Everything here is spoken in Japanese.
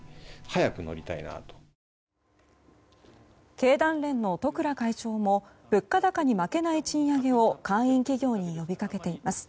経団連の十倉会長も物価高に負けない賃上げを会員企業に呼び掛けています。